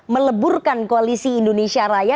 meleburkan koalisi indonesia raya